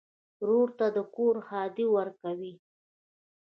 ورور ته د کور ښادي ورکوې.